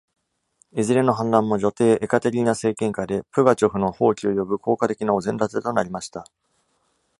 いずれの反乱も女帝エカテリーナ政権下でプガチョフの蜂起を呼ぶ効果的なお膳立てとなりました。